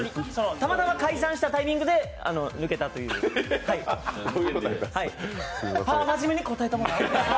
たまたま解散したタイミングで抜けたということであー、真面目に答えてもうた。